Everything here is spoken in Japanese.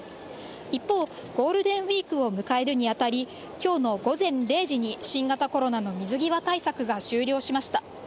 一方、ゴールデンウィークを迎えるにあたり、きょうの午前０時に新型コロナの水際対策が終了しました。